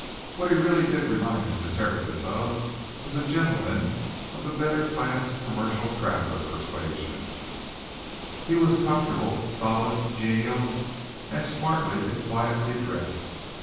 What he really did remind Mr. Tertius of was a gentleman of the better class commercial traveller persuasion he was comfortable, solid, genial, and smartly if quietly dressed.